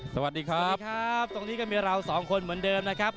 สวัสดีครับสวัสดีครับตรงนี้ก็มีเราสองคนเหมือนเดิมนะครับ